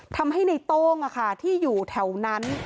ทำให้ในโต้งที่อยู่แถวนั้น